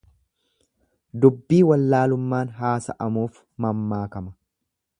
Dubbii wallaalummaan haasa'amuuf mammaakama.